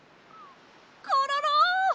コロロ！